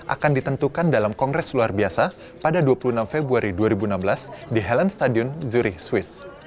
akan ditentukan dalam kongres luar biasa pada dua puluh enam februari dua ribu enam belas di helen stadion zurich swiss